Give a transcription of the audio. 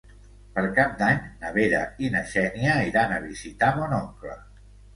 Per Cap d'Any na Vera i na Xènia iran a visitar mon oncle.